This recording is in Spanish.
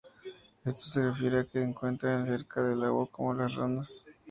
Esto se refiere a que se encuentran cerca del agua, como las ranas.